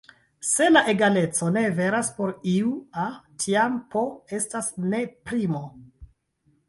Se la egaleco ne veras por iu "a", tiam "p" estas ne primo.